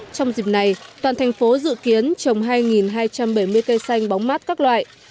trong dịp này toàn thành phố dự kiến trồng hai hai trăm bảy mươi cây xanh bóng mát các loại